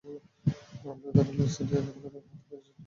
মামলায় ধারালো অস্ত্র দিয়ে আঘাত করে হত্যার চেষ্টার অভিযোগ আনা হয়েছে।